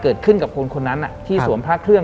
เกิดขึ้นกับคนคนนั้นที่สวมพระเครื่อง